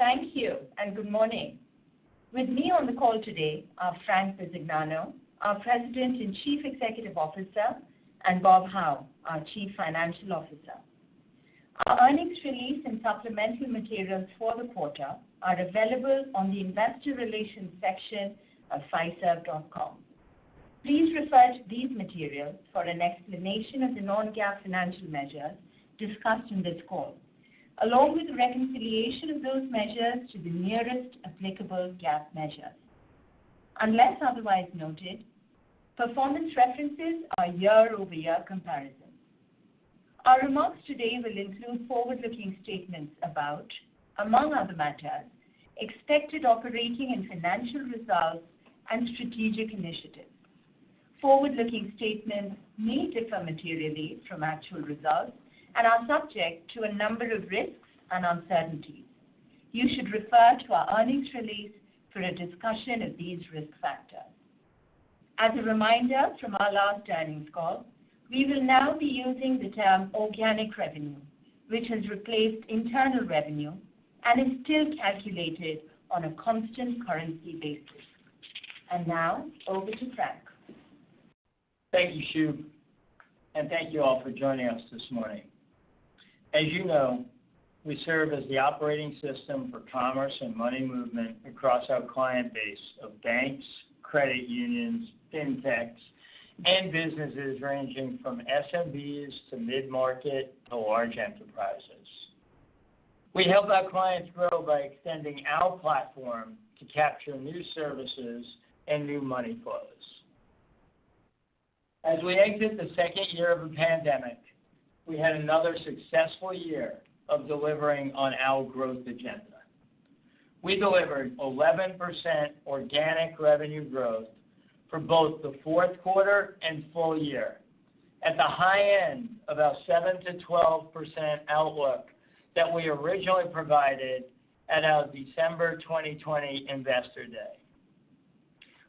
Thank you, and good morning. With me on the call today are Frank Bisignano, our President and Chief Executive Officer, and Bob Hau, our Chief Financial Officer. Our earnings release and supplemental materials for the quarter are available on the Investor Relations section of fiserv.com. Please refer to these materials for an explanation of the non-GAAP financial measures discussed in this call, along with the reconciliation of those measures to the nearest applicable GAAP measure. Unless otherwise noted, performance references are year-over-year comparisons. Our remarks today will include forward-looking statements about, among other matters, expected operating and financial results and strategic initiatives. Forward-looking statements may differ materially from actual results and are subject to a number of risks and uncertainties. You should refer to our earnings release for a discussion of these risk factors. As a reminder from our last earnings call, we will now be using the term organic revenue, which has replaced internal revenue and is still calculated on a constant currency basis. Now over to Frank. Thank you, Shub, and thank you all for joining us this morning. As you know, we serve as the operating system for commerce and money movement across our client base of banks, credit unions, Fintechs, and businesses ranging from SMBs to mid-market to large enterprises. We help our clients grow by extending our platform to capture new services and new money flows. As we exit the second year of a pandemic, we had another successful year of delivering on our growth agenda. We delivered 11% organic revenue growth for both the fourth quarter and full year at the high end of our 7%-12% outlook that we originally provided at our December 2020 Investor Day.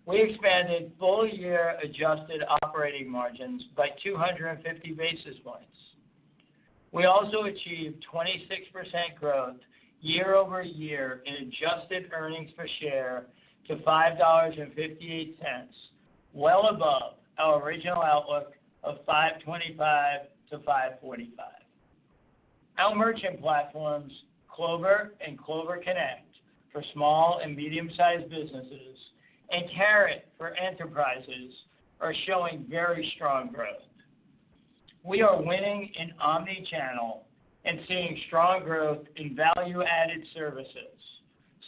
We expanded full-year adjusted operating margins by 250 basis points. We also achieved 26% growth year-over-year in adjusted earnings per share to $5.58, well above our original outlook of $5.25-$5.45. Our merchant platforms, Clover and Clover Connect for small and medium-sized businesses and Carat for enterprises, are showing very strong growth. We are winning in omnichannel and seeing strong growth in value-added services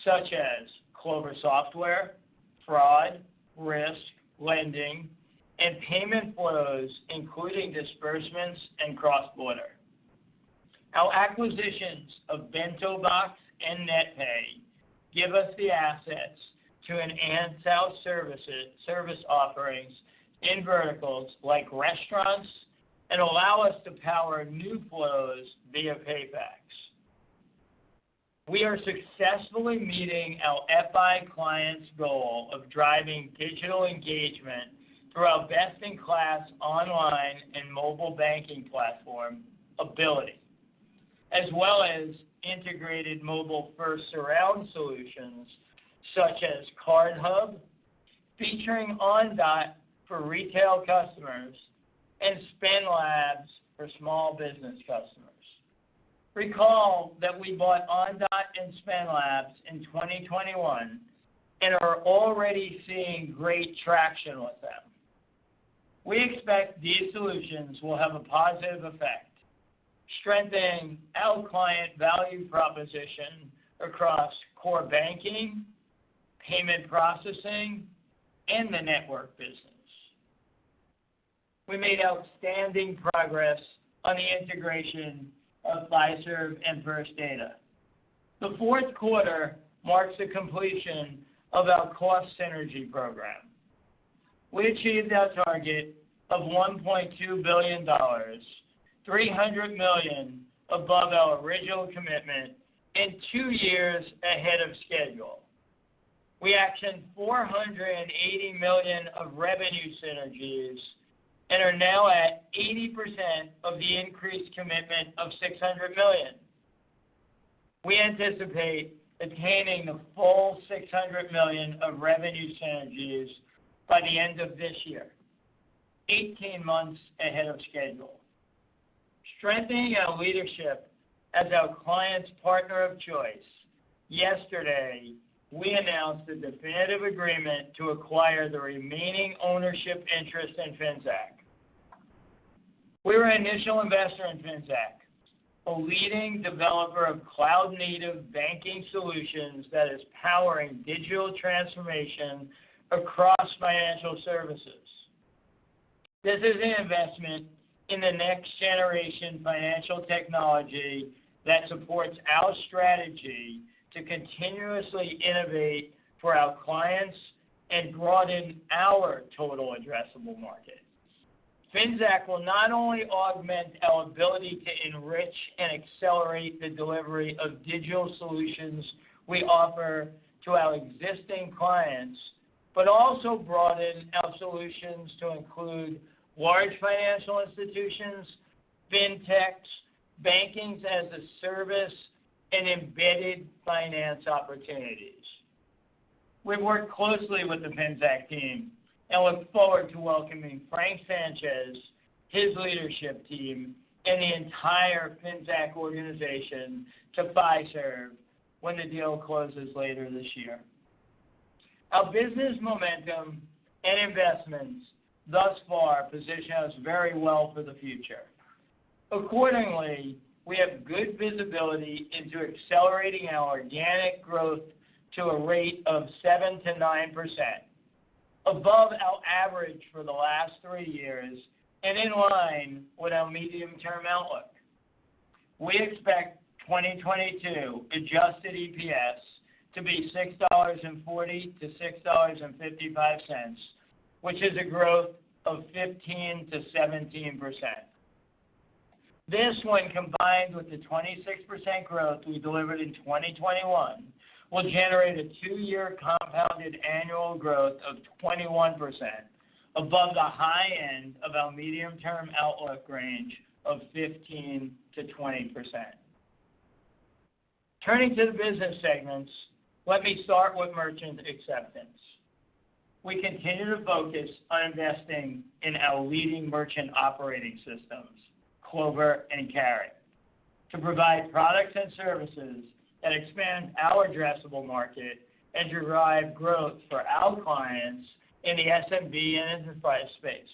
such as Clover Software, fraud, risk, lending, and payment flows, including disbursements and cross-border. Our acquisitions of BentoBox and NetPay give us the assets to enhance our services offerings in verticals like restaurants and allow us to power new flows via PayFac. We are successfully meeting our FI clients' goal of driving digital engagement through our best-in-class online and mobile banking platform Abiliti, as well as integrated mobile-first surround solutions such as CardHub, featuring Ondot for retail customers and SpendLabs for small business customers. Recall that we bought Ondot and SpendLabs in 2021 and are already seeing great traction with them. We expect these solutions will have a positive effect, strengthening our client value proposition across core banking, payment processing, and the network business. We made outstanding progress on the integration of Fiserv and First Data. The fourth quarter marks the completion of our cost synergy program. We achieved our target of $1.2 billion, $300 million above our original commitment and two years ahead of schedule. We actioned $480 million of revenue synergies and are now at 80% of the increased commitment of $600 million. We anticipate attaining the full $600 million of revenue synergies by the end of this year, 18 months ahead of schedule. Strengthening our leadership as our clients' partner of choice, yesterday, we announced a definitive agreement to acquire the remaining ownership interest in Finxact. We were an initial investor in Finxact, a leading developer of cloud-native banking solutions that is powering digital transformation across financial services. This is an investment in the next-generation financial technology that supports our strategy to continuously innovate for our clients and broaden our total addressable markets. Finxact will not only augment our ability to enrich and accelerate the delivery of digital solutions we offer to our existing clients. Also broaden our solutions to include large financial institutions, Fintechs, banking as a service, and embedded finance opportunities. We've worked closely with the Fintech team and look forward to welcoming Frank Sanchez, his leadership team, and the entire Fintech organization to Fiserv when the deal closes later this year. Our business momentum and investments thus far position us very well for the future. Accordingly, we have good visibility into accelerating our organic growth to a rate of 7%-9%, above our average for the last three years and in line with our medium-term outlook. We expect 2022 adjusted EPS to be $6.40-$6.55, which is a growth of 15%-17%. This, when combined with the 26% growth we delivered in 2021, will generate a two-year compounded annual growth of 21% above the high end of our medium-term outlook range of 15%-20%. Turning to the business segments, let me start with Merchant Acceptance. We continue to focus on investing in our leading merchant operating systems, Clover and Carat, to provide products and services that expand our addressable market and derive growth for our clients in the SMB and enterprise space.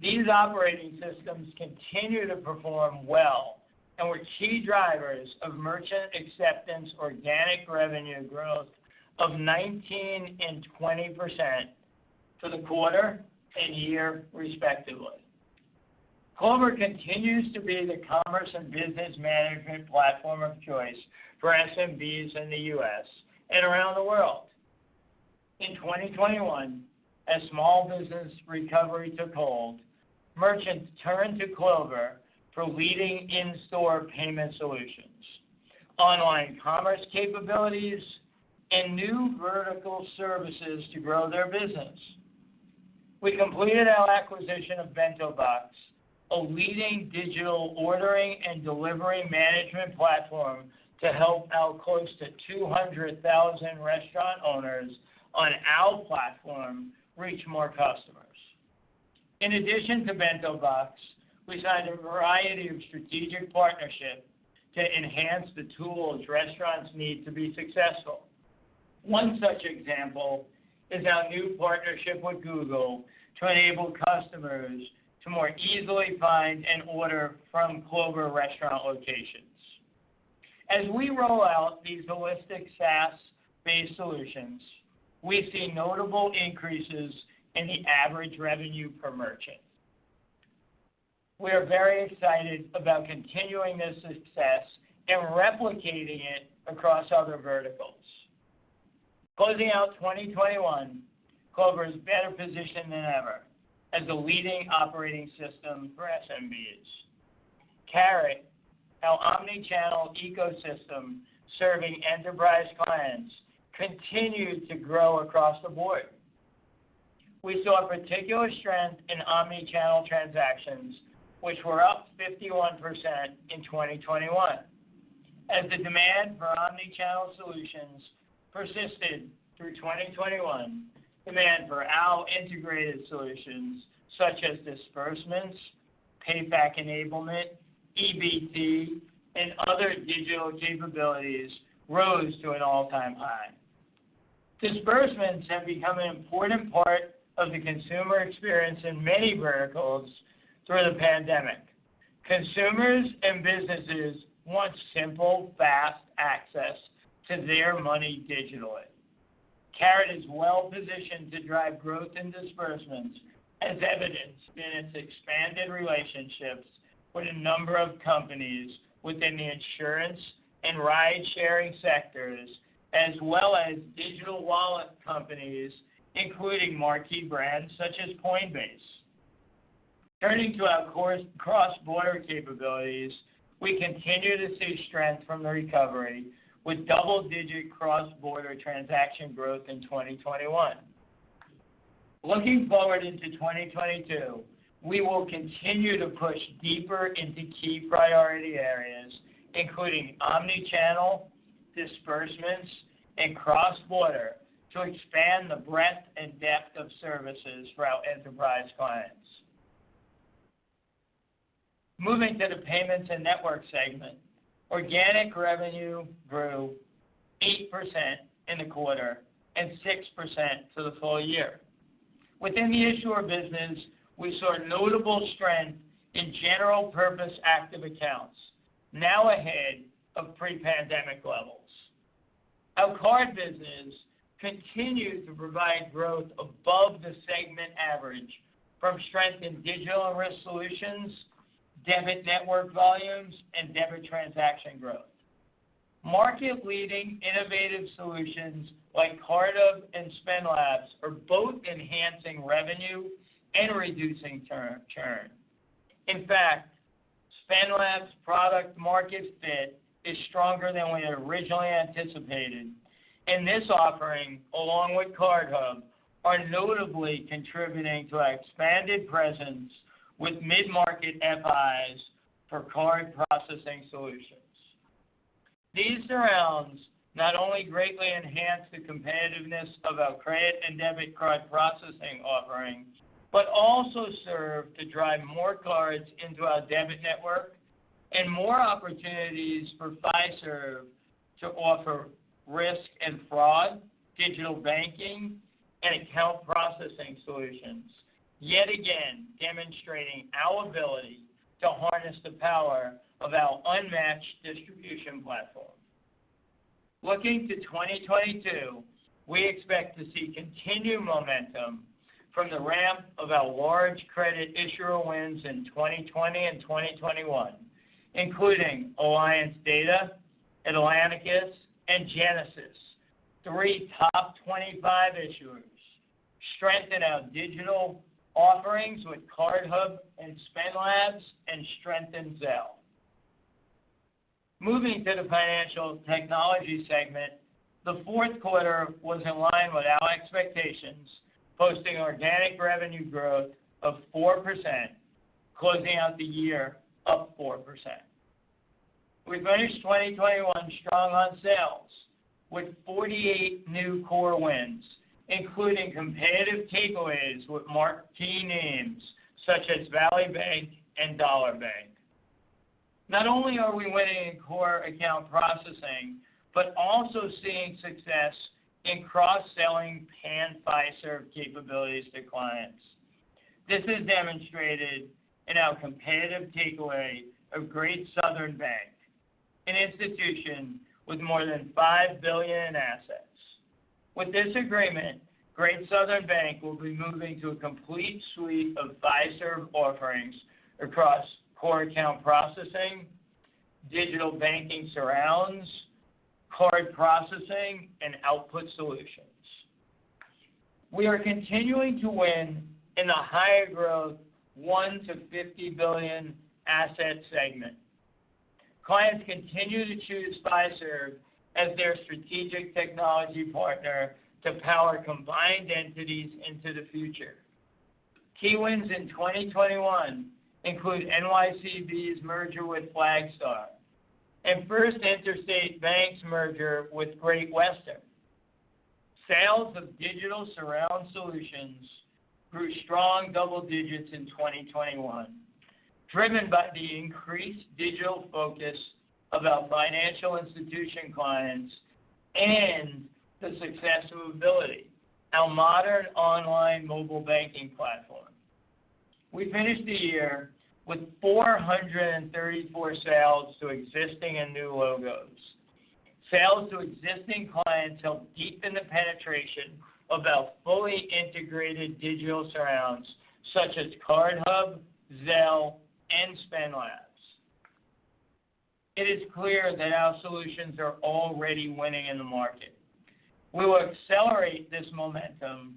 These operating systems continue to perform well and were key drivers of merchant acceptance organic revenue growth of 19% and 20% for the quarter and year respectively. Clover continues to be the commerce and business management platform of choice for SMBs in the U.S. and around the world. In 2021, as small business recovery took hold, merchants turned to Clover for leading in-store payment solutions, online commerce capabilities, and new vertical services to grow their business. We completed our acquisition of BentoBox, a leading digital ordering and delivery management platform to help our close to 200,000 restaurant owners on our platform reach more customers. In addition to BentoBox, we signed a variety of strategic partnerships to enhance the tools restaurants need to be successful. One such example is our new partnership with Google to enable customers to more easily find and order from Clover restaurant locations. As we roll out these holistic SaaS-based solutions, we've seen notable increases in the average revenue per merchant. We are very excited about continuing this success and replicating it across other verticals. Closing out 2021, Clover is better positioned than ever as the leading operating system for SMBs. Carat, our omnichannel ecosystem serving enterprise clients, continued to grow across the board. We saw a particular strength in omnichannel transactions which were up 51% in 2021. As the demand for omnichannel solutions persisted through 2021, demand for our integrated solutions such as disbursements, payback enablement, EBT, and other digital capabilities rose to an all-time high. Disbursements have become an important part of the consumer experience in many verticals through the pandemic. Consumers and businesses want simple, fast access to their money digitally. Carat is well-positioned to drive growth in disbursements as evidenced in its expanded relationships with a number of companies within the insurance and ride-sharing sectors, as well as digital wallet companies, including marquee brands such as Coinbase. Turning to our cross-border capabilities, we continue to see strength from the recovery with double-digit cross-border transaction growth in 2021. Looking forward into 2022, we will continue to push deeper into key priority areas, including omni-channel, disbursements, and cross-border to expand the breadth and depth of services for our enterprise clients. Moving to the payments and network segment, organic revenue grew 8% in the quarter and 6% for the full year. Within the issuer business, we saw notable strength in general purpose active accounts, now ahead of pre-pandemic levels. Our card business continued to provide growth above the segment average from strength in digital risk solutions, debit network volumes, and debit transaction growth. Market-leading innovative solutions like CardHub and SpendLabs are both enhancing revenue and reducing churn. In fact, SpendLabs product market fit is stronger than we had originally anticipated, and this offering, along with CardHub, are notably contributing to our expanded presence with mid-market FIs for card processing solutions. These surroundings not only greatly enhance the competitiveness of our credit and debit card processing offerings, but also serve to drive more cards into our debit network and more opportunities for Fiserv to offer risk and fraud, digital banking, and account processing solutions, yet again demonstrating our ability to harness the power of our unmatched distribution platform. Looking to 2022, we expect to see continued momentum from the ramp of our large credit issuer wins in 2020 and 2021, including Alliance Data, Atlanticus, and Genesis, three top 25 issuers, strengthen our digital offerings with CardHub and SpendLabs, and strengthen Zelle. Moving to the financial technology segment, the fourth quarter was in line with our expectations, posting organic revenue growth of 4%, closing out the year up 4%. We finished 2021 strong on sales with 48 new core wins, including competitive takeaways with marquee names such as Valley Bank and Dollar Bank. Not only are we winning in core account processing, but also seeing success in cross-selling pan-Fiserv capabilities to clients. This is demonstrated in our competitive takeaway of Great Southern Bank, an institution with more than $5 billion in assets. With this agreement, Great Southern Bank will be moving to a complete suite of Fiserv offerings across core account processing, digital banking surrounds, card processing, and output solutions. We are continuing to win in the high-growth $1 billion-$50 billion asset segment. Clients continue to choose Fiserv as their strategic technology partner to power combined entities into the future. Key wins in 2021 include NYCB's merger with Flagstar and First Interstate Bank's merger with Great Western. Sales of digital surround solutions grew strong double digits in 2021, driven by the increased digital focus of our financial institution clients and the success of Mobiliti, our modern online mobile banking platform. We finished the year with 434 sales to existing and new logos. Sales to existing clients helped deepen the penetration of our fully integrated digital surrounds such as CardHub, Zelle, and SpendLabs. It is clear that our solutions are already winning in the market. We will accelerate this momentum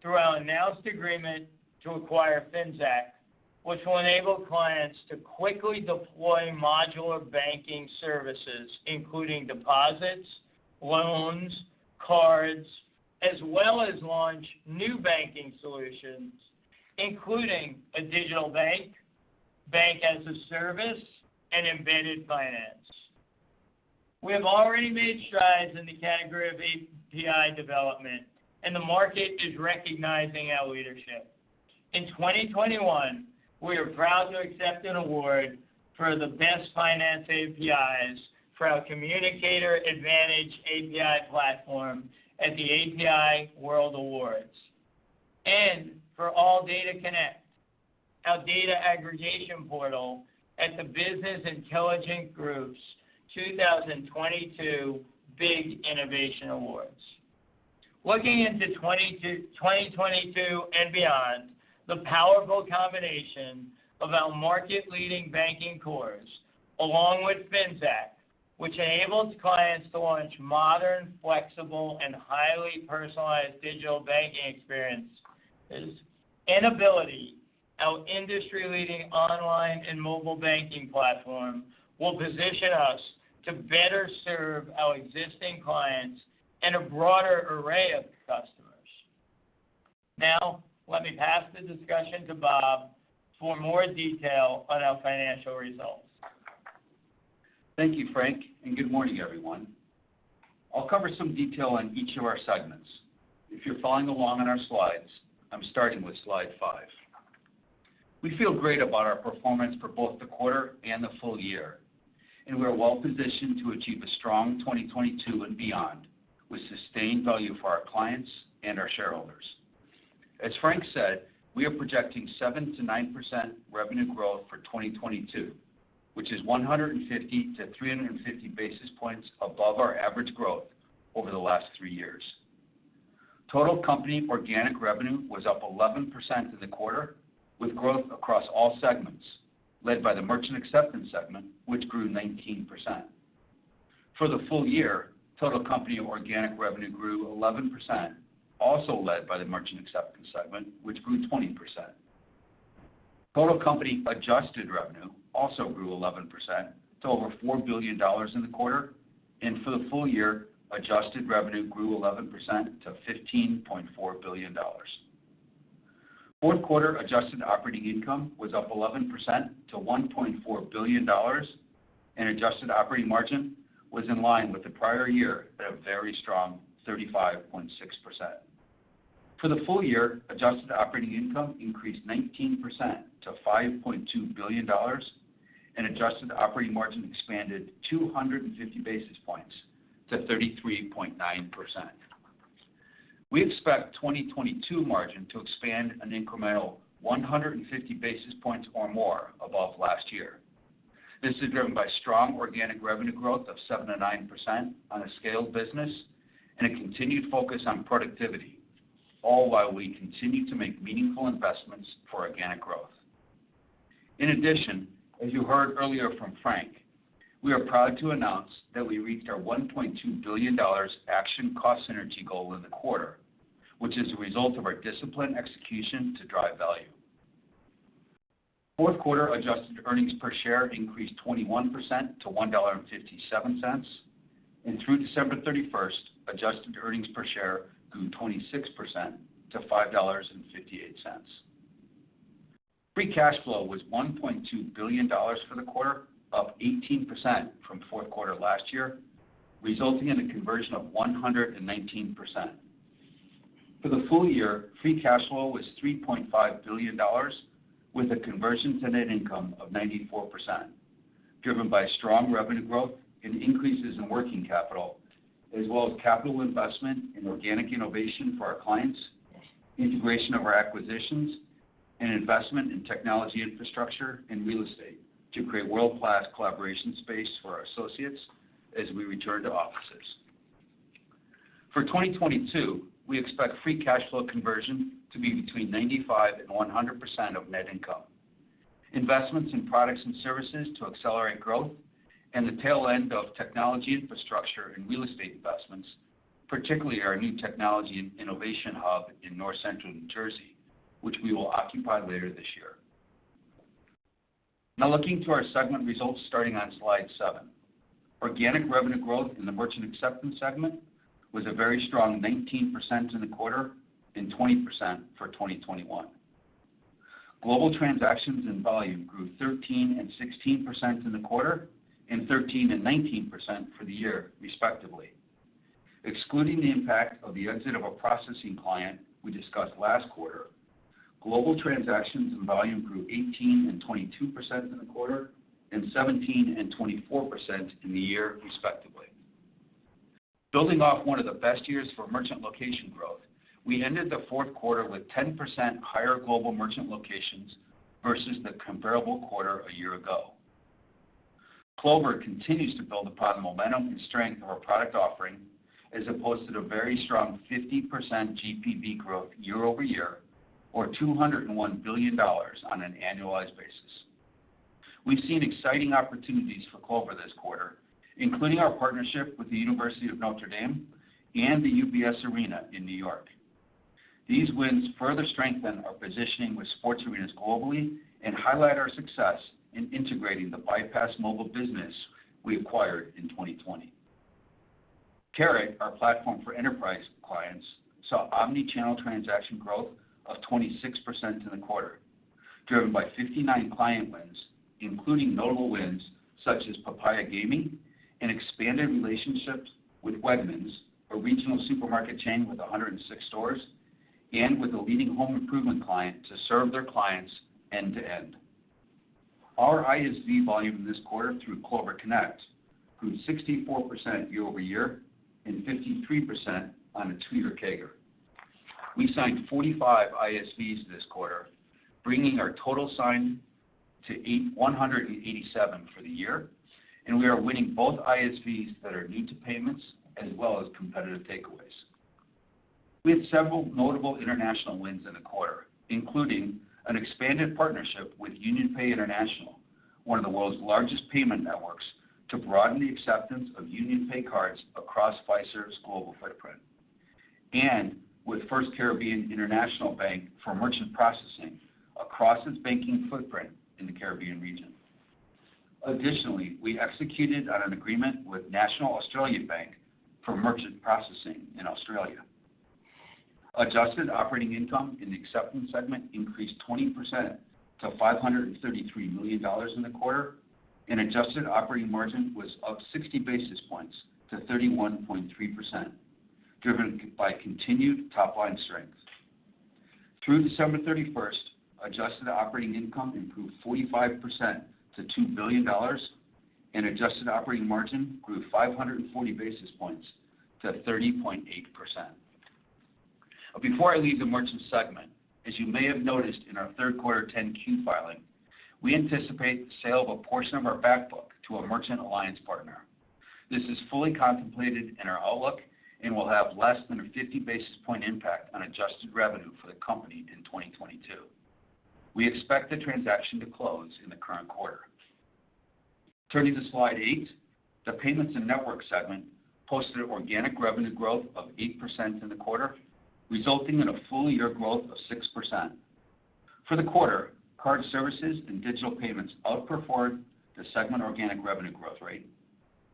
through our announced agreement to acquire Finxact, which will enable clients to quickly deploy modular banking services, including deposits, loans, cards, as well as launch new banking solutions, including a digital bank-as-a-service, and embedded finance. We have already made strides in the category of API development, and the market is recognizing our leadership. In 2021, we are proud to accept an award for the best finance APIs for our Communicator Advantage API platform at the API World Awards and for AllData Connect, our data aggregation portal at the Business Intelligence Group's 2022 BIG Innovation Awards. Looking into 2022 and beyond, the powerful combination of our market-leading banking cores along with Finxact, which enables clients to launch modern, flexible, and highly personalized digital banking experiences and Abiliti, our industry-leading online and mobile banking platform, will position us to better serve our existing clients and a broader array of customers. Now let me pass the discussion to Bob for more detail on our financial results. Thank you, Frank, and good morning, everyone. I'll cover some detail on each of our segments. If you're following along on our slides, I'm starting with slide five. We feel great about our performance for both the quarter and the full year, and we are well-positioned to achieve a strong 2022 and beyond with sustained value for our clients and our shareholders. As Frank said, we are projecting 7%-9% revenue growth for 2022, which is 150 basis points -350 basis points above our average growth over the last three years. Total company organic revenue was up 11% in the quarter, with growth across all segments led by the merchant acceptance segment, which grew 19%. For the full year, total company organic revenue grew 11%, also led by the merchant acceptance segment, which grew 20%. Total company adjusted revenue also grew 11% to over $4 billion in the quarter. For the full year, adjusted revenue grew 11% to $15.4 billion. Fourth quarter adjusted operating income was up 11% to $1.4 billion, and adjusted operating margin was in line with the prior year at a very strong 35.6%. For the full year, adjusted operating income increased 19% to $5.2 billion, and adjusted operating margin expanded 250 basis points to 33.9%. We expect 2022 margin to expand an incremental 150 basis points or more above last year. This is driven by strong organic revenue growth of 7%-9% on a scaled business and a continued focus on productivity, all while we continue to make meaningful investments for organic growth. In addition, as you heard earlier from Frank, we are proud to announce that we reached our $1.2 billion acquisition cost synergy goal in the quarter, which is a result of our disciplined execution to drive value. Fourth quarter adjusted earnings per share increased 21% to $1.57. Through December 31st, adjusted earnings per share grew 26% to $5.58. Free cash flow was $1.2 billion for the quarter, up 18% from fourth quarter last year, resulting in a conversion of 119%. For the full year, free cash flow was $3.5 billion, with a conversion to net income of 94%, driven by strong revenue growth and increases in working capital as well as capital investment in organic innovation for our clients, integration of our acquisitions and investment in technology infrastructure and real estate to create world-class collaboration space for our associates as we return to offices. For 2022, we expect free cash flow conversion to be between 95% and 100% of net income. Investments in products and services to accelerate growth and the tail end of technology infrastructure and real estate investments, particularly our new technology and innovation hub in North Central New Jersey, which we will occupy later this year. Now looking to our segment results starting on slide seven. Organic revenue growth in the merchant acceptance segment was a very strong 19% in the quarter and 20% for 2021. Global transactions and volume grew 13% and 16% in the quarter and 13% and 19% for the year respectively. Excluding the impact of the exit of a processing client we discussed last quarter, global transactions and volume grew 18% and 22% in the quarter and 17% and 24% in the year respectively. Building off one of the best years for merchant location growth, we ended the fourth quarter with 10% higher global merchant locations versus the comparable quarter a year ago. Clover continues to build upon the momentum and strength of our product offering as it posted a very strong 50% GPV growth year-over-year or $201 billion on an annualized basis. We've seen exciting opportunities for Clover this quarter, including our partnership with the University of Notre Dame and the UBS Arena in New York. These wins further strengthen our positioning with sports arenas globally and highlight our success in integrating the Bypass Mobile business we acquired in 2020. Carat, our platform for enterprise clients, saw omnichannel transaction growth of 26% in the quarter, driven by 59 client wins, including notable wins such as Papaya Gaming and expanded relationships with Wegmans, a regional supermarket chain with 106 stores, and with a leading home improvement client to serve their clients end to end. Our ISV volume this quarter through Clover Connect grew 64% year-over-year and 53% on a two-year CAGR. We signed 45 ISVs this quarter, bringing our total signed to 187 for the year, and we are winning both ISVs that are new to payments as well as competitive takeaways. We had several notable international wins in the quarter, including an expanded partnership with UnionPay International, one of the world's largest payment networks, to broaden the acceptance of UnionPay cards across Fiserv's global footprint, and with FirstCaribbean International Bank for merchant processing across its banking footprint in the Caribbean region. Additionally, we executed on an agreement with National Australia Bank for merchant processing in Australia. Adjusted operating income in the acceptance segment increased 20% to $533 million in the quarter, and adjusted operating margin was up 60 basis points to 31.3%, driven by continued top-line strength. Through December 31st, adjusted operating income improved 45% to $2 billion, and adjusted operating margin grew 540 basis points to 30.8%. Before I leave the merchant segment, as you may have noticed in our third quarter 10-Q filing, we anticipate the sale of a portion of our back book to a merchant alliance partner. This is fully contemplated in our outlook and will have less than a 50 basis point impact on adjusted revenue for the company in 2022. We expect the transaction to close in the current quarter. Turning to slide eight, the Payments and Network segment posted organic revenue growth of 8% in the quarter, resulting in a full-year growth of 6%. For the quarter, card services and digital payments outperformed the segment organic revenue growth rate.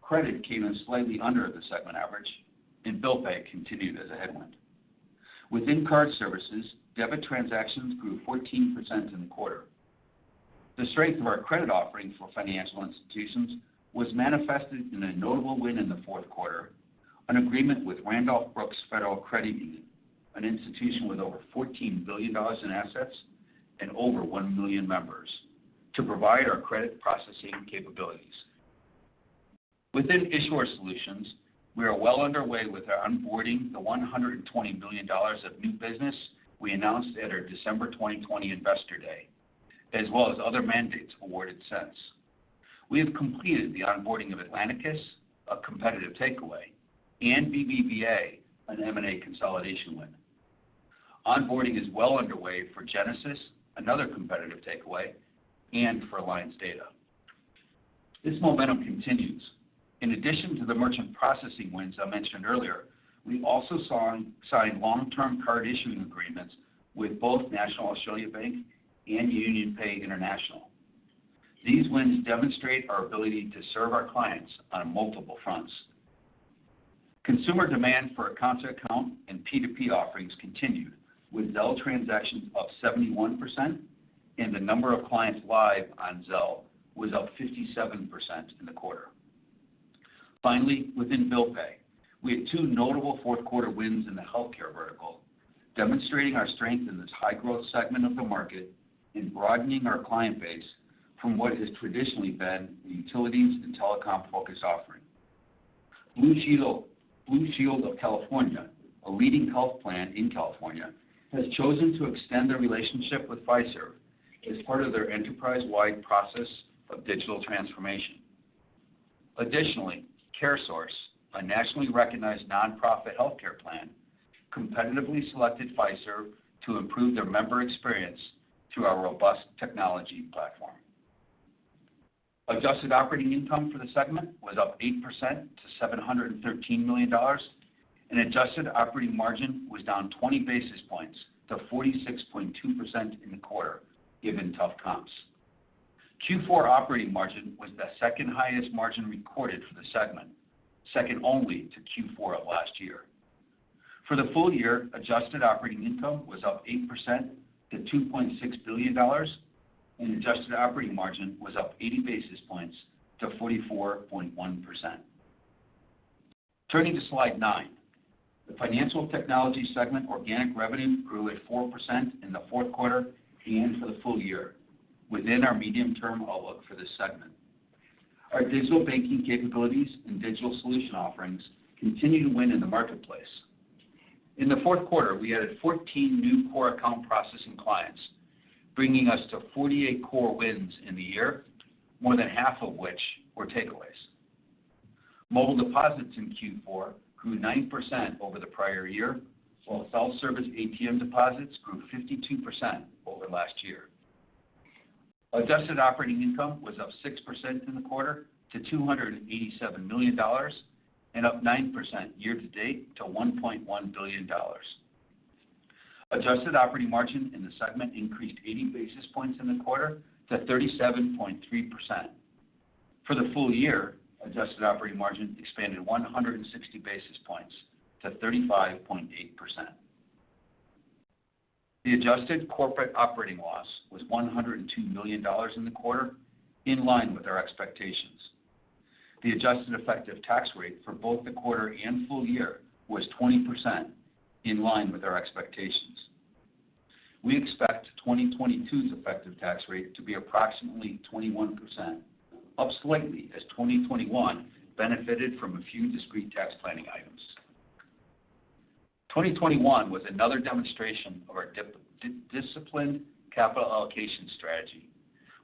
Credit came in slightly under the segment average, and Bill Pay continued as a headwind. Within card services, debit transactions grew 14% in the quarter. The strength of our credit offering for financial institutions was manifested in a notable win in the fourth quarter, an agreement with Randolph-Brooks Federal Credit Union, an institution with over $14 billion in assets and over 1 million members to provide our credit processing capabilities. Within Issuer Solutions, we are well underway with our onboarding the $120 million of new business we announced at our December 2020 Investor Day, as well as other mandates awarded since. We have completed the onboarding of Atlanticus, a competitive takeaway, and BBVA, an M&A consolidation win. Onboarding is well underway for Genesis, another competitive takeaway, and for Alliance Data. This momentum continues. In addition to the merchant processing wins I mentioned earlier, we also signed long-term card issuing agreements with both National Australia Bank and UnionPay International. These wins demonstrate our ability to serve our clients on multiple fronts. Consumer demand for account-to-account and P2P offerings continued, with Zelle transactions up 71% and the number of clients live on Zelle was up 57% in the quarter. Finally, within Bill Pay, we had two notable fourth-quarter wins in the healthcare vertical, demonstrating our strength in this high-growth segment of the market and broadening our client base from what has traditionally been a utilities and telecom-focused offering. Blue Shield, Blue Shield of California, a leading health plan in California, has chosen to extend their relationship with Fiserv as part of their enterprise-wide process of digital transformation. Additionally, CareSource, a nationally recognized nonprofit healthcare plan, competitively selected Fiserv to improve their member experience through our robust technology platform. Adjusted operating income for the segment was up 8% to $713 million, and adjusted operating margin was down 20 basis points to 46.2% in the quarter given tough comps. Q4 operating margin was the second-highest margin recorded for the segment, second only to Q4 of last year. For the full year, adjusted operating income was up 8% to $2.6 billion, and adjusted operating margin was up 80 basis points to 44.1%. Turning to slide nine, the Financial Technology segment organic revenue grew at 4% in the fourth quarter and for the full year within our medium-term outlook for this segment. Our digital banking capabilities and digital solution offerings continue to win in the marketplace. In the fourth quarter, we added 14 new core account processing clients, bringing us to 48 core wins in the year, more than half of which were takeaways. Mobile deposits in Q4 grew 9% over the prior year, while self-service ATM deposits grew 52% over last year. Adjusted operating income was up 6% in the quarter to $287 million and up 9% year-to-date to $1.1 billion. Adjusted operating margin in the segment increased 80 basis points in the quarter to 37.3%. For the full year, adjusted operating margin expanded 160 basis points to 35.8%. The adjusted corporate operating loss was $102 million in the quarter, in line with our expectations. The adjusted effective tax rate for both the quarter and full year was 20%, in line with our expectations. We expect 2022's effective tax rate to be approximately 21%, up slightly as 2021 benefited from a few discrete tax planning items. 2021 was another demonstration of our disciplined capital allocation strategy,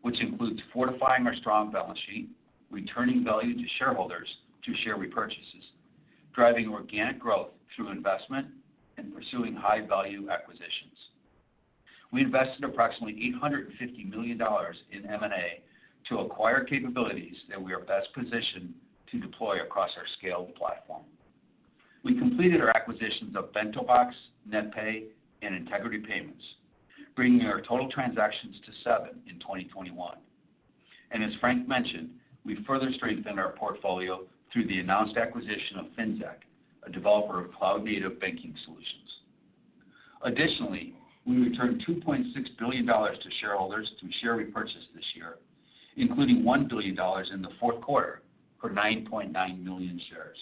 which includes fortifying our strong balance sheet, returning value to shareholders through share repurchases, driving organic growth through investment, and pursuing high-value acquisitions. We invested approximately $850 million in M&A to acquire capabilities that we are best positioned to deploy across our scaled platform. We completed our acquisitions of BentoBox, NetPay, and Integrity Payments, bringing our total transactions to seven in 2021. As Frank mentioned, we further strengthened our portfolio through the announced acquisition of Finxact, a developer of cloud-native banking solutions. Additionally, we returned $2.6 billion to shareholders through share repurchase this year, including $1 billion in the fourth quarter for 9.9 million shares.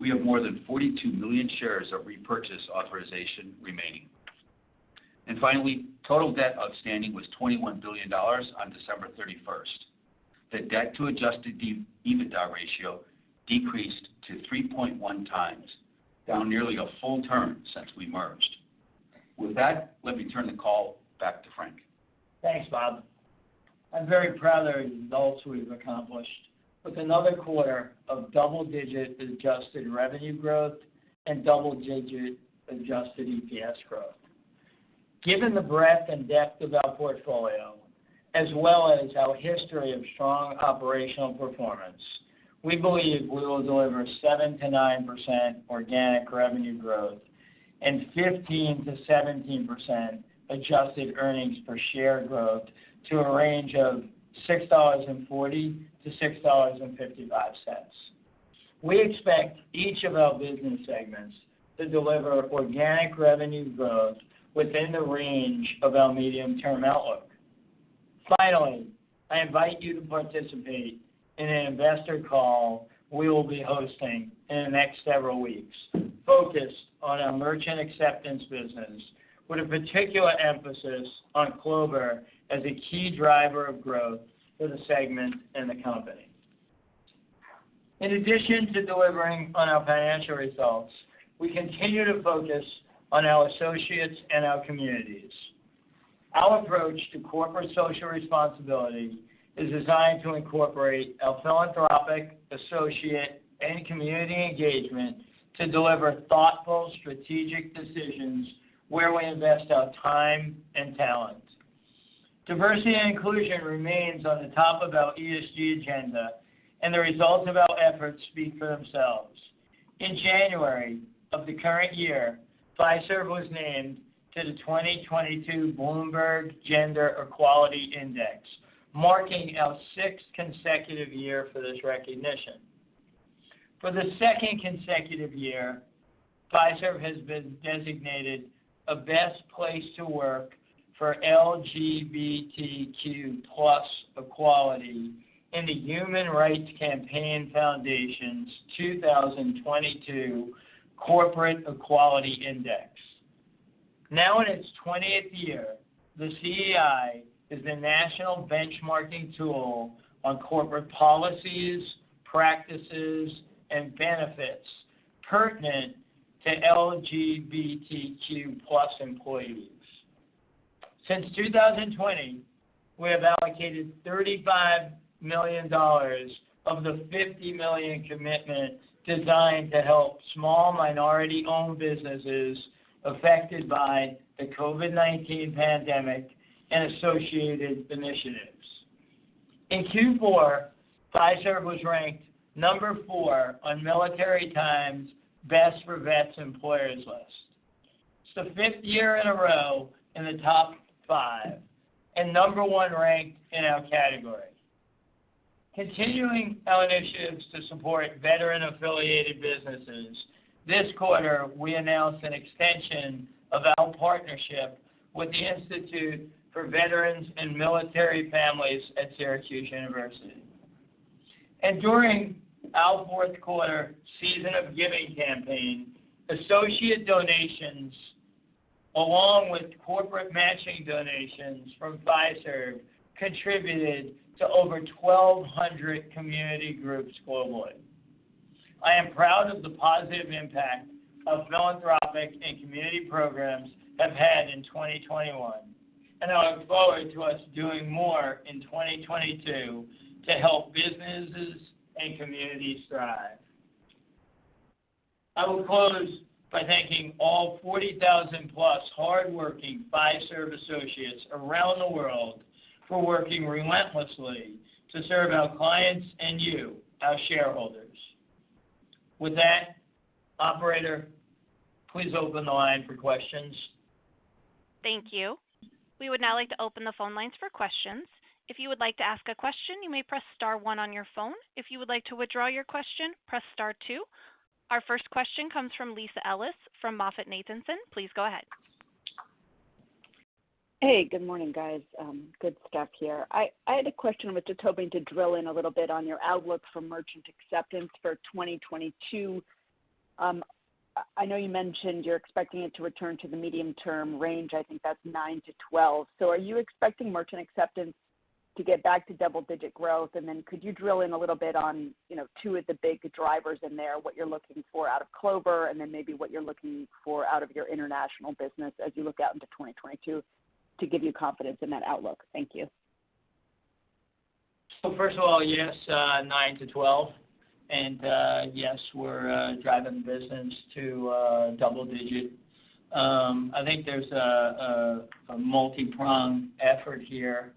We have more than 42 million shares of repurchase authorization remaining. Finally, total debt outstanding was $21 billion on December 31st. The debt-to-adjusted EBITDA ratio decreased to 3.1 x, down nearly a full turn since we merged. With that, let me turn the call back to Frank. Thanks, Bob I'm very proud of the results we've accomplished with another quarter of double-digit adjusted revenue growth and double-digit adjusted EPS growth. Given the breadth and depth of our portfolio, as well as our history of strong operational performance, we believe we will deliver 7%-9% organic revenue growth and 15%-17% adjusted earnings per share growth to a range of $6.40-$6.55. We expect each of our business segments to deliver organic revenue growth within the range of our medium-term outlook. Finally, I invite you to participate in an Investor call we will be hosting in the next several weeks, focused on our merchant acceptance business with a particular emphasis on Clover as a key driver of growth for the segment and the company. In addition to delivering on our financial results, we continue to focus on our associates and our communities. Our approach to corporate social responsibility is designed to incorporate our philanthropic associate and community engagement to deliver thoughtful, strategic decisions where we invest our time and talent. Diversity and inclusion remains on the top of our ESG agenda, and the results of our efforts speak for themselves. In January of the current year, Fiserv was named to the 2022 Bloomberg Gender-Equality Index, marking our sixth consecutive year for this recognition. For the second consecutive year, Fiserv has been designated a best place to work for LGBTQ plus equality in the Human Rights Campaign Foundation's 2022 Corporate Equality Index. Now in its twentieth year, the CEI is the national benchmarking tool on corporate policies, practices, and benefits pertinent to LGBTQ plus employees. Since 2020, we have allocated $35 million of the $50 million commitment designed to help small minority-owned businesses affected by the COVID-19 pandemic and associated initiatives. In Q4, Fiserv was ranked number four on Military Times' Best for Vets employers list. It's the fifth year in a row in the top five and number one ranked in our category. Continuing our initiatives to support veteran-affiliated businesses, this quarter, we announced an extension of our partnership with the Institute for Veterans and Military Families at Syracuse University. During our fourth quarter season of giving campaign, associate donations, along with corporate matching donations from Fiserv, contributed to over 1,200 community groups globally. I am proud of the positive impact our philanthropic and community programs have had in 2021, and I look forward to us doing more in 2022 to help businesses and communities thrive. I will close by thanking all 40,000+ hardworking Fiserv associates around the world for working relentlessly to serve our clients and you, our shareholders. With that, operator, please open the line for questions. Thank you. We would now like to open the phone lines for questions. If you would like to ask a question, you may press star one on your phone. If you would like to withdraw your question, press star two. Our first question comes from Lisa Ellis from MoffettNathanson. Please go ahead. Hey, good morning, guys. Good stuff here. I had a question. I was just hoping to drill in a little bit on your outlook for merchant acceptance for 2022. I know you mentioned you're expecting it to return to the medium-term range. I think that's 9%-12%. Are you expecting merchant acceptance to get back to double-digit growth? Could you drill in a little bit on, you know, two of the big drivers in there, what you're looking for out of Clover, and then maybe what you're looking for out of your international business as you look out into 2022 to give you confidence in that outlook? Thank you. First of all, yes, 9%-12%. Yes, we're driving the business to double-digit. I think there's a multipronged effort here,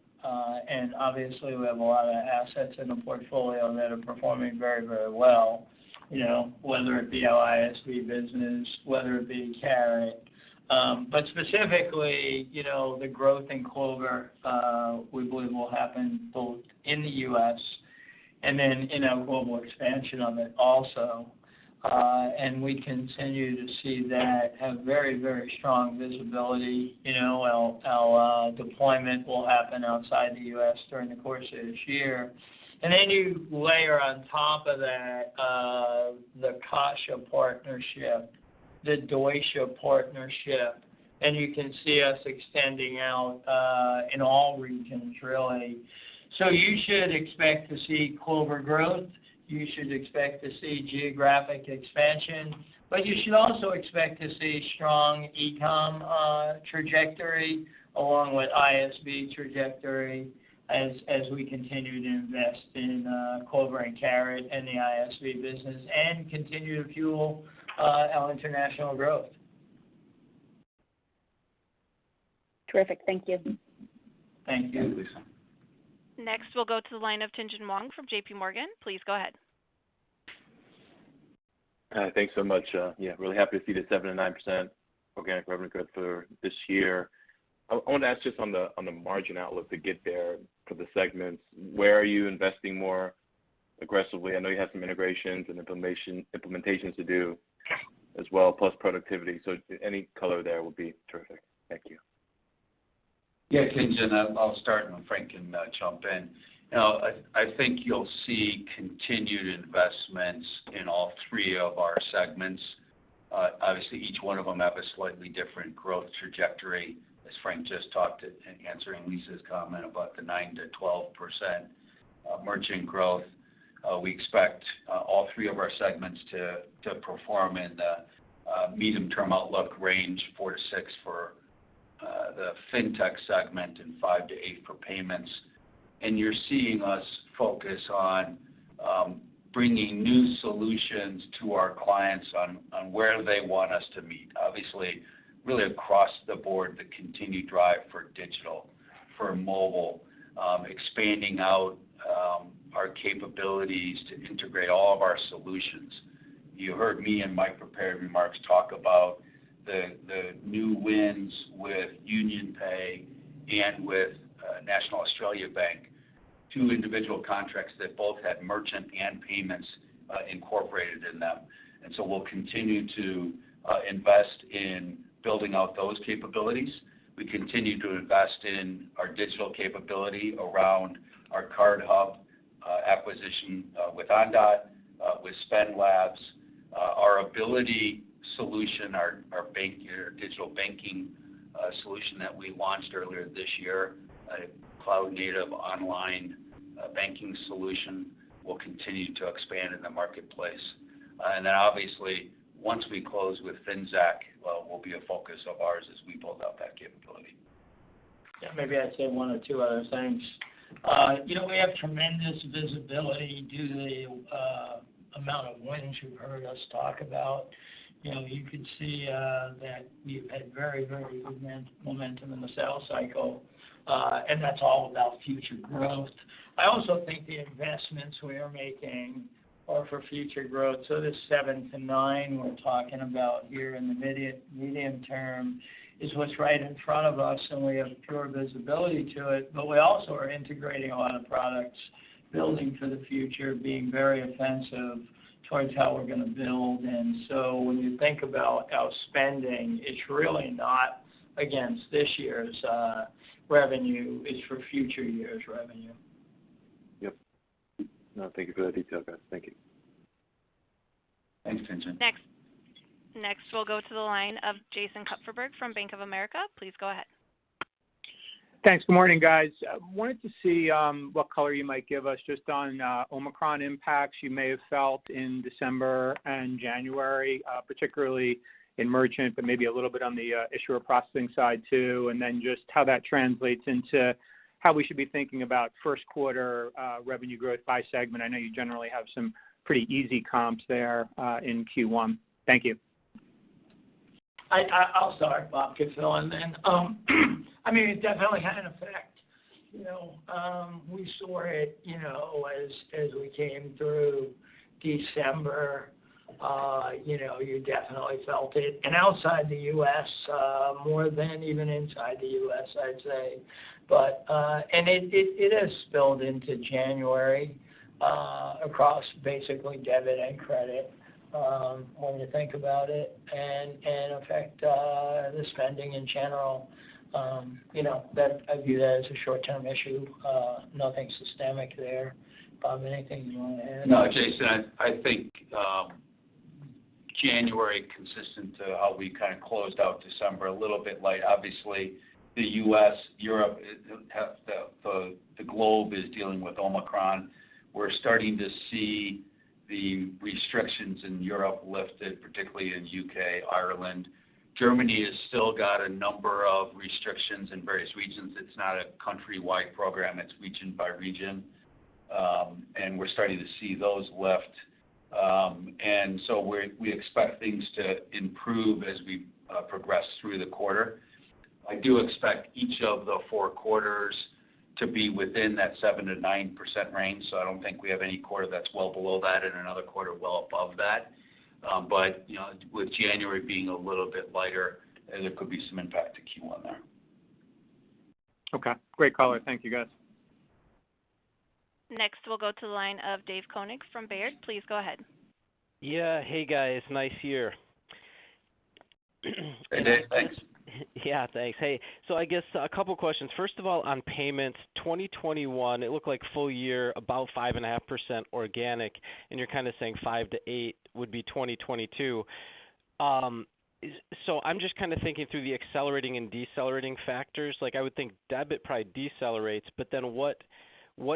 and obviously, we have a lot of assets in the portfolio that are performing very, very well, you know, whether it be our ISV business, whether it be Carat. But specifically, you know, the growth in Clover, we believe will happen both in the U.S. and then in our global expansion on it also. We continue to see that have very, very strong visibility. You know, our deployment will happen outside the U.S. during the course of this year. Then you layer on top of that, the Caixa partnership, the Deutsche Bank partnership, and you can see us extending out in all regions, really. You should expect to see Clover growth, you should expect to see geographic expansion, but you should also expect to see strong e-com trajectory along with ISV trajectory as we continue to invest in Clover and Carat and the ISV business and continue to fuel our international growth. Terrific. Thank you. Thank you. Thanks, Lisa. Next, we'll go to the line of Tien-Tsin Huang from JPMorgan. Please go ahead. Hi. Thanks so much. Yeah, really happy to see the 7%-9% organic revenue growth for this year. I wanna ask just on the margin outlook to get there for the segments, where are you investing more aggressively? I know you have some integrations and implementations to do as well, plus productivity. Any color there would be terrific. Thank you. Yeah, Tien-Tsin, I'll start and then Frank can jump in. You know, I think you'll see continued investments in all three of our segments. Obviously each one of them have a slightly different growth trajectory, as Frank just talked to in answering Lisa's comment about the 9%-12% merchant growth. We expect all three of our segments to perform in the medium-term outlook range, 4%-6% for the Fintech segment and 5%-8% for payments. You're seeing us focus on bringing new solutions to our clients on where they want us to meet. Obviously, really across the board, the continued drive for digital, for mobile, expanding out our capabilities to integrate all of our solutions. You heard me in my prepared remarks talk about the new wins with UnionPay and with National Australia Bank, two individual contracts that both had merchant and payments incorporated in them. We'll continue to invest in building out those capabilities. We continue to invest in our digital capability around our CardHub acquisition with Ondot with SpendLabs. Our Abiliti solution, our digital banking solution that we launched earlier this year, a cloud-native online banking solution, will continue to expand in the marketplace. Once we close with Finxact will be a focus of ours as we build out that capability. Yeah, maybe I'd say one or two other things. You know, we have tremendous visibility due to the amount of wins you've heard us talk about. You know, you could see that we've had very momentum in the sales cycle, and that's all about future growth. I also think the investments we are making are for future growth. This 7%-9% we're talking about here in the medium term is what's right in front of us, and we have pure visibility to it. We also are integrating a lot of products, building for the future, being very offensive towards how we're gonna build. When you think about our spending, it's really not against this year's revenue. It's for future years' revenue. Yep. No, thank you for that detail, guys. Thank you. Thanks, Tien-Tsin. Next we'll go to the line of Jason Kupferberg from Bank of America. Please go ahead. Thanks. Morning, guys. I wanted to see what color you might give us just on Omicron impacts you may have felt in December and January, particularly in merchant, but maybe a little bit on the issuer processing side too. Then just how that translates into how we should be thinking about first quarter revenue growth by segment. I know you generally have some pretty easy comps there in Q1. Thank you. I'll start, Bob can fill in then. I mean, it definitely had an effect. You know, we saw it, you know, as we came through December. You know, you definitely felt it. Outside the U.S., more than even inside the U.S., I'd say. It has spilled into January across basically debit and credit, when you think about it, and affect the spending in general. You know, I view that as a short-term issue. Nothing systemic there. Bob, anything you wanna add? No, Jason, I think January consistent with how we kind of closed out December, a little bit light. Obviously, the U.S., Europe, the globe is dealing with Omicron. We're starting to see the restrictions in Europe lifted, particularly in U.K., Ireland. Germany has still got a number of restrictions in various regions. It's not a country-wide program. It's region by region. We're starting to see those lift. We expect things to improve as we progress through the quarter. I do expect each of the four quarters to be within that 7%-9% range, so I don't think we have any quarter that's well below that and another quarter well above that. You know, with January being a little bit lighter, there could be some impact to Q1 there. Okay. Great color. Thank you, guys. Next, we'll go to the line of Dave Koning from Baird. Please go ahead. Yeah. Hey, guys. Nice year. Hey, Dave. Thanks. Yeah, thanks. Hey, so I guess a couple questions. First of all, on payments, 2021, it looked like full year about 5.5% organic, and you're kinda saying 5%-8% would be 2022. So I'm just kinda thinking through the accelerating and decelerating factors. Like, I would think debit probably decelerates, but then what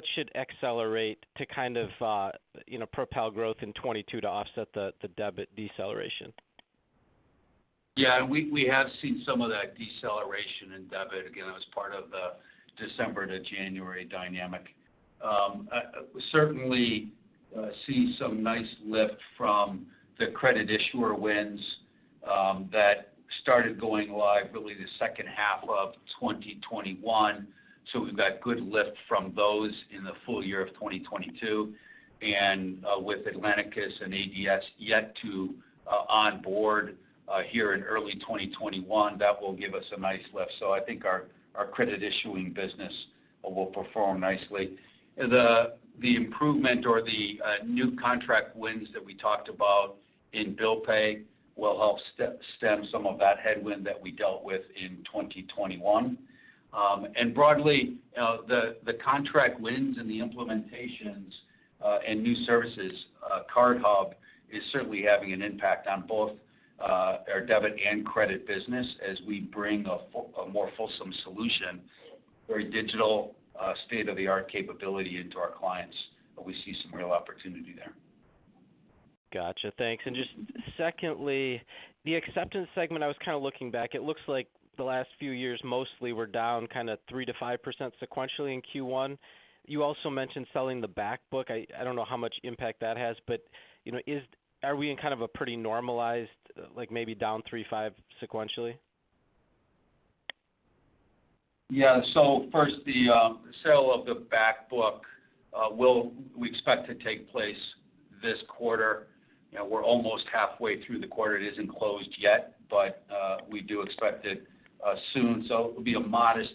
should accelerate to kind of, you know, propel growth in 2022 to offset the debit deceleration? Yeah, we have seen some of that deceleration in debit. Again, it was part of the December to January dynamic. We certainly see some nice lift from the credit issuer wins that started going live really the second half of 2021. We've got good lift from those in the full year of 2022. With Atlanticus and ADS yet to onboard here in early 2021, that will give us a nice lift. I think our credit issuing business will perform nicely. The improvement or the new contract wins that we talked about in bill pay will help stem some of that headwind that we dealt with in 2021. Broadly, the contract wins and the implementations and new services. CardHub is certainly having an impact on both our debit and credit business as we bring a more fulsome solution, very digital, state-of-the-art capability into our clients, and we see some real opportunity there. Gotcha. Thanks. Just secondly, the acceptance segment, I was kind of looking back, it looks like the last few years mostly were down kind of 3%-5% sequentially in Q1. You also mentioned selling the back book. I don't know how much impact that has, but, you know, are we in kind of a pretty normalized, like maybe down 3%-5% sequentially? Yeah. First, the sale of the back book we expect to take place this quarter. You know, we're almost halfway through the quarter. It isn't closed yet, but we do expect it soon. It'll be a modest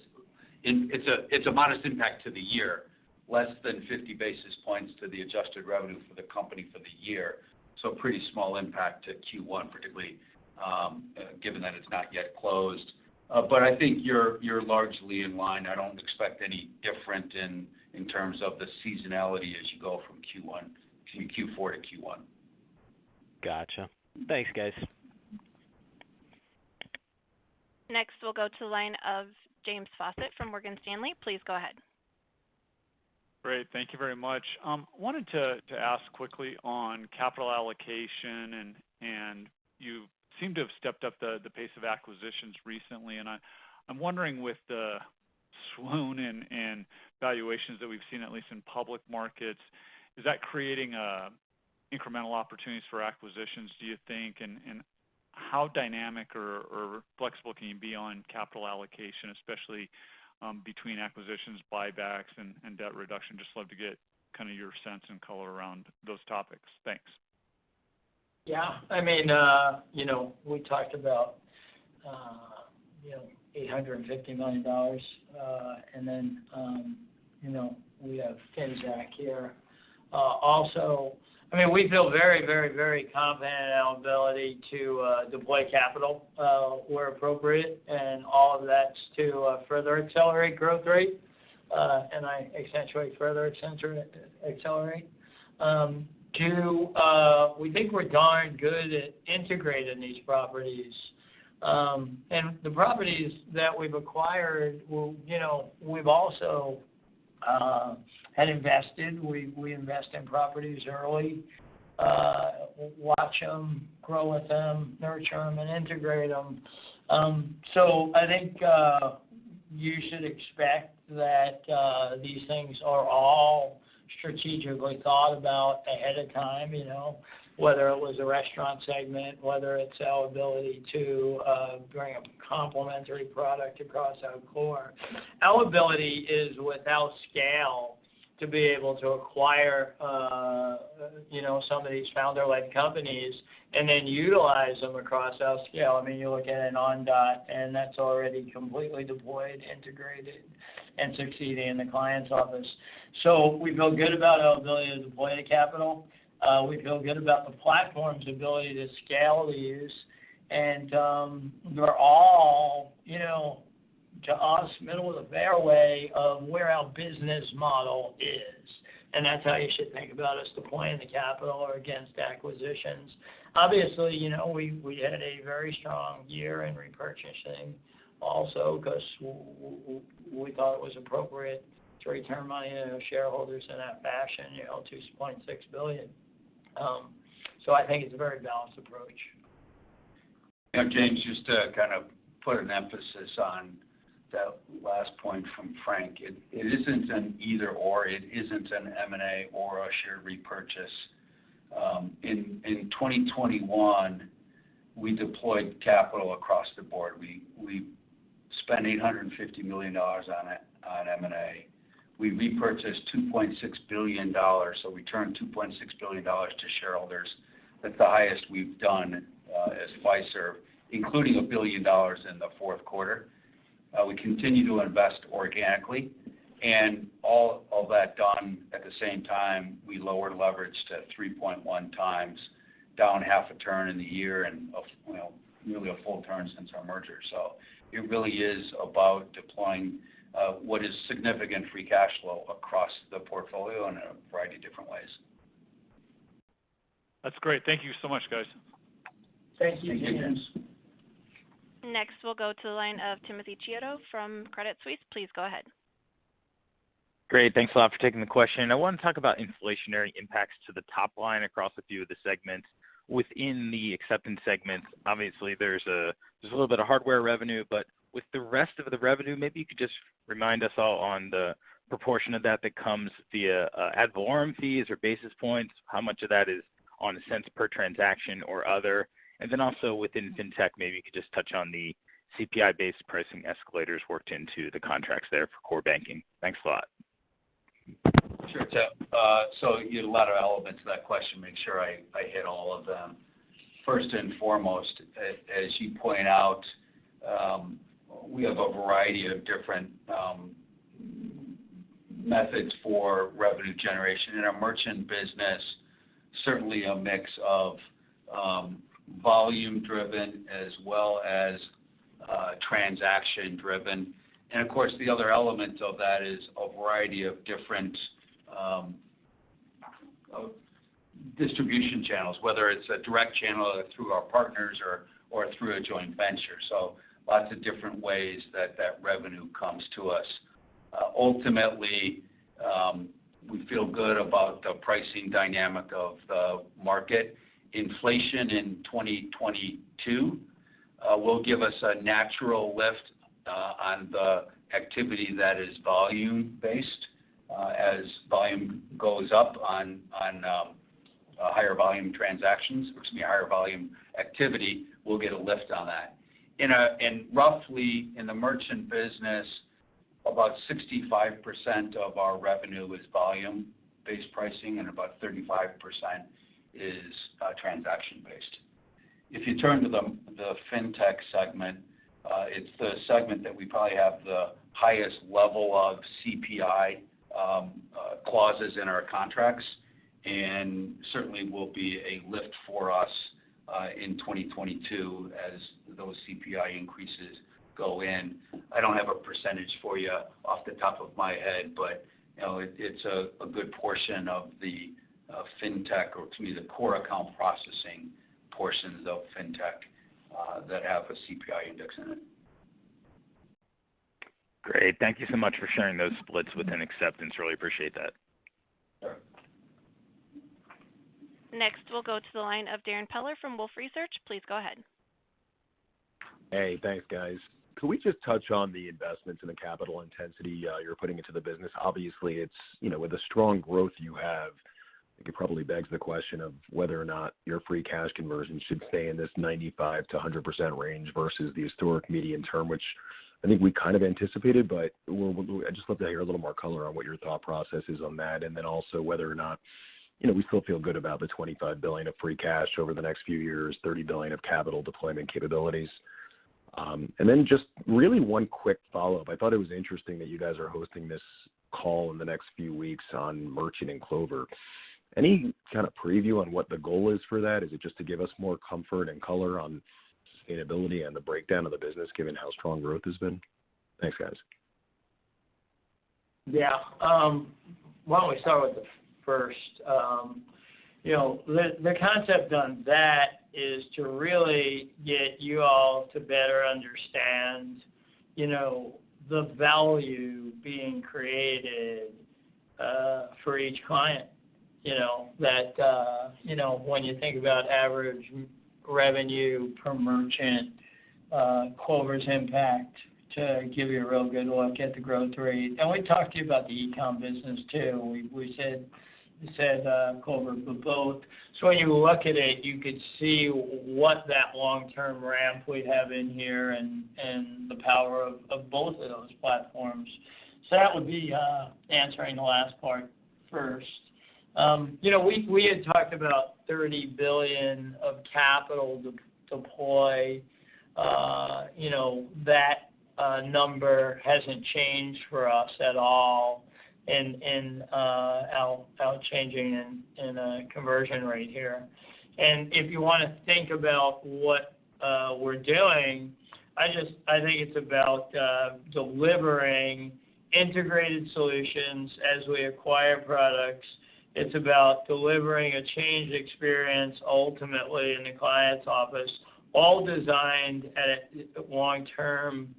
impact to the year, less than 50 basis points to the adjusted revenue for the company for the year. Pretty small impact to Q1, particularly given that it's not yet closed. I think you're largely in line. I don't expect any different in terms of the seasonality as you go from Q4 to Q1. Gotcha. Thanks, guys. Next, we'll go to the line of James Faucette from Morgan Stanley. Please go ahead. Great. Thank you very much. Wanted to ask quickly on capital allocation, and you seem to have stepped up the pace of acquisitions recently. I'm wondering with the swoon in valuations that we've seen, at least in public markets, is that creating incremental opportunities for acquisitions, do you think? How dynamic or flexible can you be on capital allocation, especially between acquisitions, buybacks and debt reduction? Just love to get kind of your sense and color around those topics. Thanks. Yeah. I mean, you know, we talked about, you know, $850 million. Then, you know, we have Finxact here. Also, I mean, we feel very confident in our ability to deploy capital where appropriate, and all of that's to further accelerate growth rate. I accentuate further accelerate. Too, we think we're darn good at integrating these properties. The properties that we've acquired will, you know, we've also had invested. We invest in properties early, watch them, grow with them, nurture them, and integrate them. I think you should expect that these things are all strategically thought about ahead of time, you know, whether it was the restaurant segment, whether it's our ability to bring a complementary product across our core. Our ability is without scale to be able to acquire, you know, some of these founder-led companies and then utilize them across our scale. I mean, you look at an Ondot, and that's already completely deployed, integrated, and succeeding in the client's office. We feel good about our ability to deploy the capital. We feel good about the platform's ability to scale these. They're all, you know, to us, middle of the fairway of where our business model is, and that's how you should think about us deploying the capital or against acquisitions. Obviously, you know, we had a very strong year in repurchasing also because we thought it was appropriate to return money to shareholders in that fashion, you know, $2.6 billion. I think it's a very balanced approach. Yeah. James, just to kind of put an emphasis on that last point from Frank. It isn't an either/or, it isn't an M&A or a share repurchase. In 2021, we deployed capital across the board. We spent $850 million on M&A. We repurchased $2.6 billion, so we returned $2.6 billion to shareholders. That's the highest we've done as Fiserv, including $1 billion in the fourth quarter. We continue to invest organically. All of that done at the same time, we lowered leverage to 3.1x, down half a turn in the year and you know, nearly a full turn since our merger. It really is about deploying what is significant free cash flow across the portfolio in a variety of different ways. That's great. Thank you so much, guys. Thank you, James. Thank you, James. Next, we'll go to the line of Timothy Chiodo from Credit Suisse. Please go ahead. Great. Thanks a lot for taking the question. I want to talk about inflationary impacts to the top line across a few of the segments. Within the acceptance segments, obviously, there's a little bit of hardware revenue, but with the rest of the revenue, maybe you could just remind us all on the proportion of that that comes via ad valorem fees or basis points, how much of that is on a cents per transaction or other. Then also within Fintech, maybe you could just touch on the CPI-based pricing escalators worked into the contracts there for core banking. Thanks a lot. Sure, [Chio]. So you had a lot of elements to that question, make sure I hit all of them. First and foremost, as you point out, we have a variety of different methods for revenue generation. In our merchant business, certainly a mix of volume-driven as well as transaction-driven. Of course, the other element of that is a variety of different distribution channels, whether it's a direct channel through our partners or through a joint venture. Lots of different ways that that revenue comes to us. Ultimately, we feel good about the pricing dynamic of the market. Inflation in 2022 will give us a natural lift on the activity that is volume-based, as volume goes up on higher volume transactions, which means higher volume activity, we'll get a lift on that. Roughly, in the merchant business, about 65% of our revenue is volume-based pricing, and about 35% is transaction-based. If you turn to the Fintech segment, it's the segment that we probably have the highest level of CPI clauses in our contracts and certainly will be a lift for us in 2022 as those CPI increases go in. I don't have a percentage for you off the top of my head, but you know, it's a good portion of the Fintech or excuse me, the core account processing portions of Fintech that have a CPI index in it. Great. Thank you so much for sharing those splits within Acceptance. Really appreciate that. Sure. Next, we'll go to the line of Darrin Peller from Wolfe Research. Please go ahead. Hey, thanks, guys. Can we just touch on the investments and the capital intensity you're putting into the business? Obviously, it's with the strong growth you have, I think it probably begs the question of whether or not your free cash conversion should stay in this 95%-100% range versus the historic median term, which I think we kind of anticipated. I'd just love to hear a little more color on what your thought process is on that, and then also whether or not, you know, we still feel good about the $25 billion of free cash over the next few years, $30 billion of capital deployment capabilities. Just really one quick follow-up. I thought it was interesting that you guys are hosting this call in the next few weeks on Merchant and Clover. Any kind of preview on what the goal is for that? Is it just to give us more comfort and color on sustainability and the breakdown of the business given how strong growth has been? Thanks, guys. Yeah. Why don't we start with the first? You know, the concept on that is to really get you all to better understand, you know, the value being created, for each client. You know, that, you know, when you think about average revenue per merchant, Clover's impact to give you a real good look at the growth rate. We talked to you about the e-com business too. We said, Clover for both. When you look at it, you could see what that long-term ramp we have in here and the power of both of those platforms. That would be, answering the last part first. You know, we had talked about $30 billion of capital deploy. You know, that number hasn't changed for us at all and without changing in a conversion rate here. If you wanna think about what we're doing, I think it's about delivering integrated solutions as we acquire products. It's about delivering a great experience ultimately in the client's office, all designed at long-term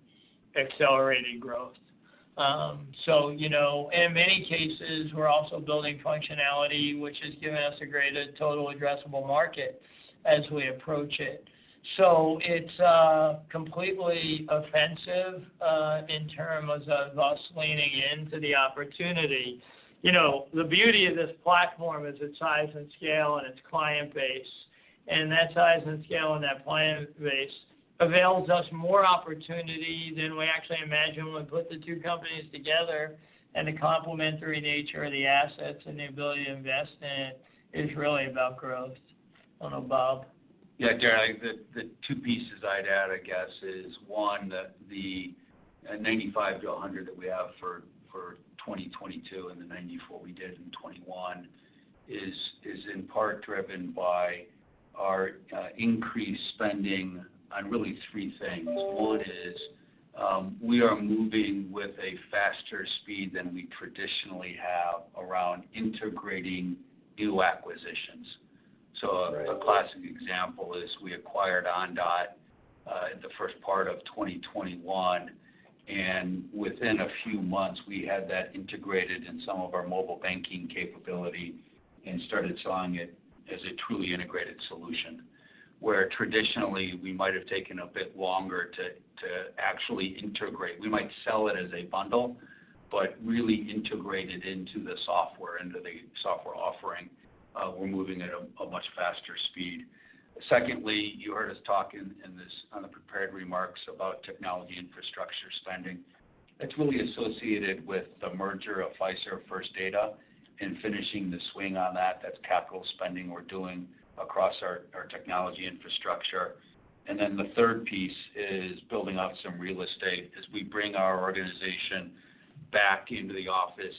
accelerated growth. You know, in many cases, we're also building functionality, which has given us a greater total addressable market as we approach it. It's completely offensive in terms of us leaning into the opportunity. You know, the beauty of this platform is its size and scale and its client base, and that size and scale and that client base avails us more opportunity than we actually imagined when we put the two companies together and the complementary nature of the assets and the ability to invest in it is really about growth. I don't know, Bob. Yeah, Darrin, the two pieces I'd add, I guess, is one, the 95%-100% that we have for 2022 and the 94% we did in 2021 is in part driven by our increased spending on really three things. One is, we are moving with a faster speed than we traditionally have around integrating new acquisitions. Right. A classic example is we acquired Ondot in the first part of 2021. Within a few months, we had that integrated in some of our mobile banking capability and started selling it as a truly integrated solution, where traditionally we might have taken a bit longer to actually integrate. We might sell it as a bundle, but really integrated into the software offering, we're moving at a much faster speed. Secondly, you heard us talk about this in the prepared remarks about technology infrastructure spending. That's really associated with the merger of Fiserv and First Data and finishing the spend on that. That's capital spending we're doing across our technology infrastructure. The third piece is building out some real estate as we bring our organization back into the office,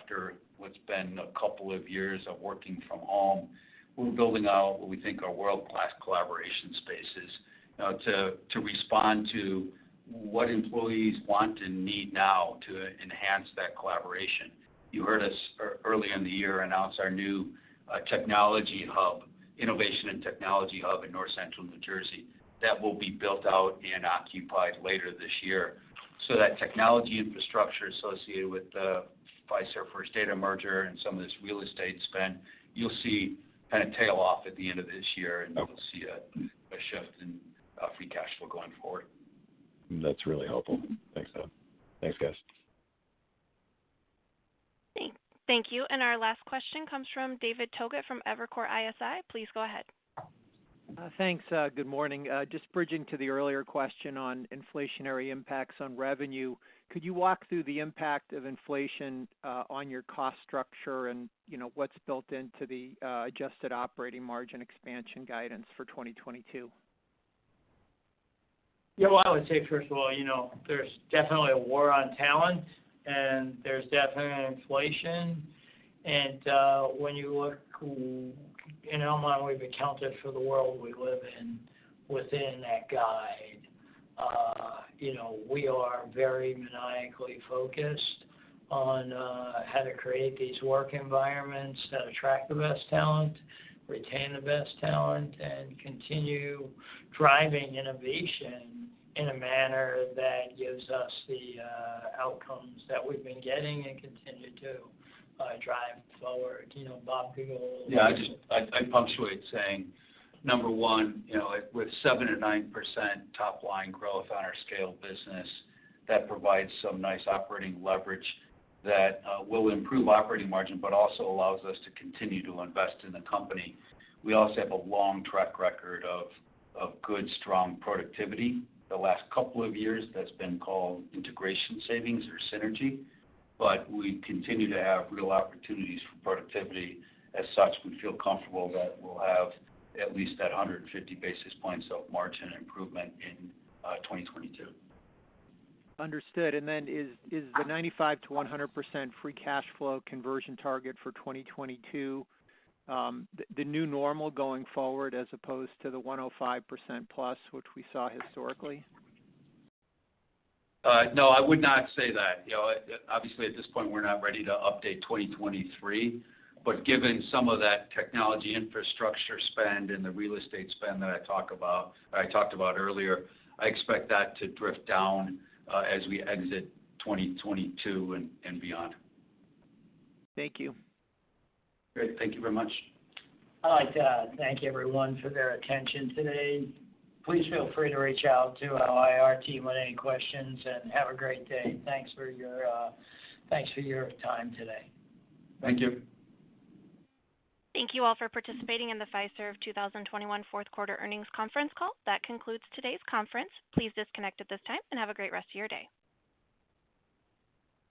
after what's been a couple of years of working from home. We're building out what we think are world-class collaboration spaces, to respond to what employees want and need now to enhance that collaboration. You heard us early in the year announce our new innovation and technology hub in North Central New Jersey that will be built out and occupied later this year. That technology infrastructure associated with the Fiserv First Data merger and some of this real estate spend, you'll see kinda tail off at the end of this year. Okay. You'll see a shift in free cash flow going forward. That's really helpful. Thanks, Bob. Thanks, guys. Thank you. Our last question comes from David Togut from Evercore ISI. Please go ahead. Thanks. Good morning. Just bridging to the earlier question on inflationary impacts on revenue. Could you walk through the impact of inflation on your cost structure and, you know, what's built into the adjusted operating margin expansion guidance for 2022? Yeah. Well, I would say, first of all, you know, there's definitely a war on talent, and there's definitely an inflation. When you look in Elmont we've accounted for the world we live in within that guide. You know, we are very maniacally focused on how to create these work environments that attract the best talent, retain the best talent, and continue driving innovation in a manner that gives us the outcomes that we've been getting and continue to drive forward. You know, Bob, Google- Yeah, I just want to say, number one, you know, with 7%-9% top line growth on our scale business, that provides some nice operating leverage that will improve operating margin, but also allows us to continue to invest in the company. We also have a long track record of good, strong productivity. The last couple of years, that's been called integration savings or synergy, but we continue to have real opportunities for productivity. As such, we feel comfortable that we'll have at least that 150 basis points of margin improvement in 2022. Understood. Is the 95%-100% free cash flow conversion target for 2022 the new normal going forward as opposed to the 105%+, which we saw historically? No, I would not say that. You know, obviously at this point, we're not ready to update 2023. Given some of that technology infrastructure spend and the real estate spend that I talked about earlier, I expect that to drift down, as we exit 2022 and beyond. Thank you. Great. Thank you very much. I'd like to thank everyone for their attention today. Please feel free to reach out to our Investor Relations team with any questions, and have a great day. Thanks for your time today. Thank you. Thank you all for participating in the Fiserv 2021 fourth quarter earnings conference call. That concludes today's conference. Please disconnect at this time, and have a great rest of your day.